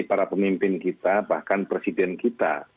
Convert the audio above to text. para pemimpin kita bahkan presiden kita